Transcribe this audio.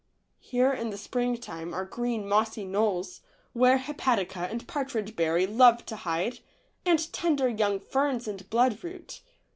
Here in the springtime are green, mossy knolls, where hepatica and partridge berry love to hide, and tender young ferns and blood root.